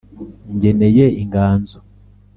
Ngeneye inganzo